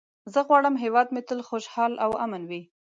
زه غواړم هېواد مې تل خوشحال او امن وي.